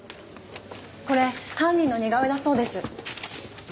これ犯人の似顔絵だそうです。